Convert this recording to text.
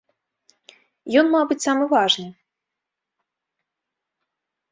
Ён, мабыць, самы важны.